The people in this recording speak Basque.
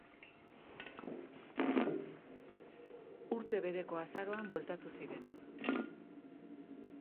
Urte bereko azaroan bueltatu ziren.